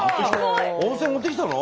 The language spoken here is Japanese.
温泉持ってきたの？